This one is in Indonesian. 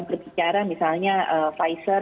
berbicara misalnya pfizer